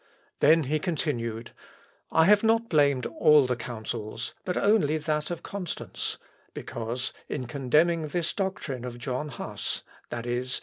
" Then he continued, "I have not blamed all the councils, but only that of Constance; because, in condemning this doctrine of John Huss, viz.